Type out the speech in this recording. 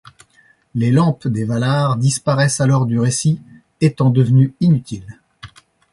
Les lampes des Valar disparaissent alors du récit, étant devenues inutiles.